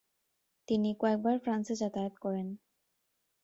তিনি কয়েকবার ফ্রান্সে যাতায়াত করেন।